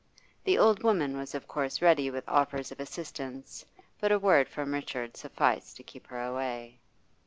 The old woman was of course ready with offers of assistance, but a word from Richard sufficed to keep her away.